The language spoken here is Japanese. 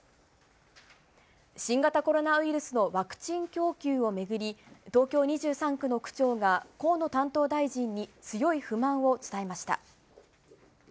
新型コロナウイルスのワクチン供給を巡り、東京２３区の区長が、河野担当大臣に強い不満を伝えました。